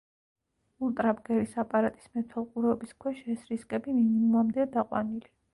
ულტრაბგერის აპარატის მეთვალყურეობის ქვეშ ეს რისკები მინიმუმამდეა დაყვანილი.